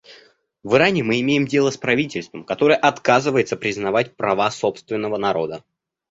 В Иране мы имеем дело с правительством, которое отказывается признавать права собственного народа.